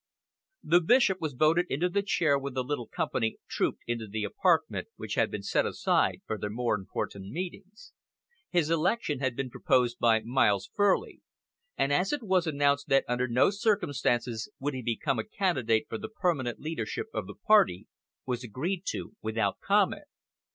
The Bishop was voted into the chair when the little company trooped into the apartment which had been set aside for their more important meetings. His election had been proposed by Miles Furley, and as it was announced that under no circumstances would he become a candidate for the permanent leadership of the party, was agreed to without comment.